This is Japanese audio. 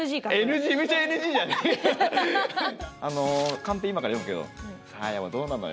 カンペ今から読むけどサーヤはどうなのよ。